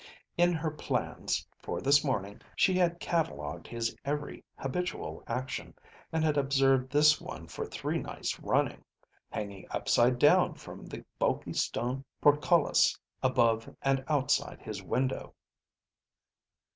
(In her plans for this morning she had catalogued his every habitual action, and had observed this one for three nights running, hanging upside down from the bulky stone portcullis above and outside his window.)